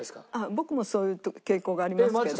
僕もそういう傾向がありますけど。